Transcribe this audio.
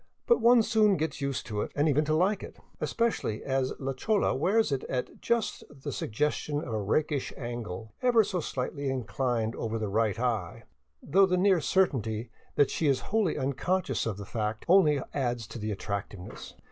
But one soon gets used to it, and even to like it, especially as la chola wears it at just the suggestion of a rakish angle, ever so slightly inclined over the right eye, though the near certainty that she is wholly unconscious of that fact only adds to the attractiveness.